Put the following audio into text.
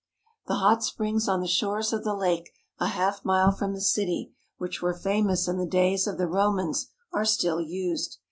The hot springs on the shores of the lake a half mile from the city, which were famous in the days of the Romans, are still used.